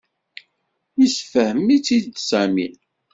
Yessefhem-itt-id Sami.